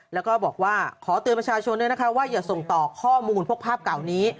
แล้วก็บอกว่าขอเตือนประชาชนด้วยนะคะว่าอย่าส่งต่อข้อมูลพวกภาพเก่านี้